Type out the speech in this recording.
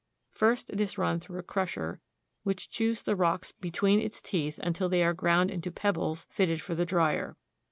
First it is run through a crusher, which chews the rocks between its teeth until they are ground into pebbles and fitted for the drier.